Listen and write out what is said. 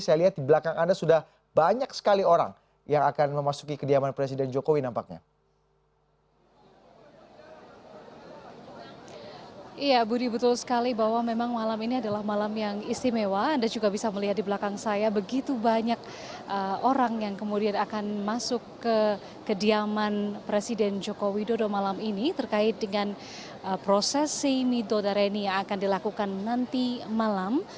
saya lihat di belakang anda sudah banyak sekali orang yang akan memasuki kediaman presiden jokowi nampaknya